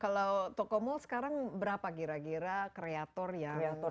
kalau tokomall sekarang berapa kira kira kreator yang ada di marketplace